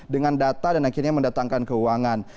dengan data dan akhirnya mendatangkan keuangan